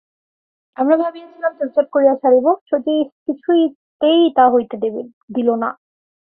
আমরা ভাবিয়াছিলাম চুপচাপ করিয়া সারিব, শচীশ কিছুতেই তা হইতে দিল না।